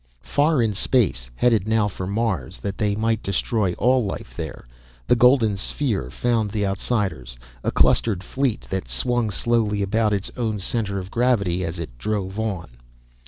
Far in space, headed now for Mars, that they might destroy all life there, the golden sphere found the Outsiders, a clustered fleet, that swung slowly about its own center of gravity as it drove on.